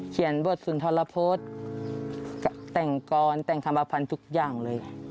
เขียนบทสุนทรพจน์แต่งกรแต่งคำวัพพรรณทุกอย่างเลย